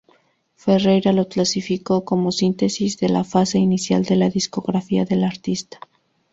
Ferreira lo clasificó como "síntesis de la fase inicial de la discografía del artista.